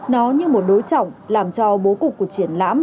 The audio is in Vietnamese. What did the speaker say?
nó như một đối trọng làm cho bố cục của triển lãm